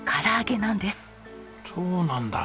そうなんだ。